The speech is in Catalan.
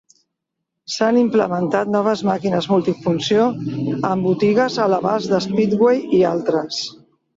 S'han implementat noves màquines multifunció en botigues a l'abast de Speedway i altres.